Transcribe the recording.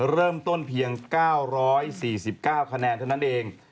เริ่มต้นเพียง๙๔๙คะแนนเท่านั้นเอง